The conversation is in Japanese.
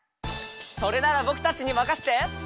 それならぼくたちにまかせて！